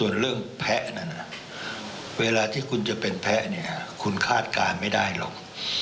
ในเรื่องแพ้นั้นเวลาที่เป็นแพ้คุณคาดการณ์ไม่ได้ด้วยก่อน